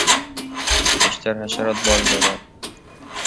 بیشتر حشرات بال دارند.